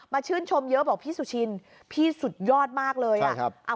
ชื่นชมเยอะบอกพี่สุชินพี่สุดยอดมากเลยอ่ะ